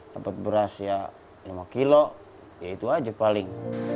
dapat beras ya lima kilo ya itu aja paling